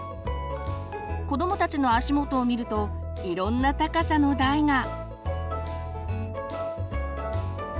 子どもたちの足元を見るといろんな高さの台が。